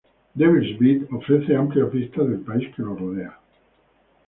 Devil's Bit ofrece amplias vistas del país que lo rodea.